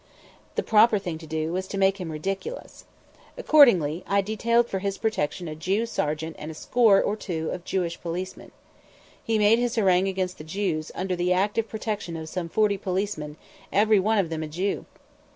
The proper thing to do was to make him ridiculous. Accordingly I detailed for his protection a Jew sergeant and a score or two of Jew policemen. He made his harangue against the Jews under the active protection of some forty policemen, every one of them a Jew!